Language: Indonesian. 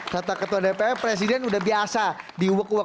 kata ketua dpr presiden udah biasa di uak uak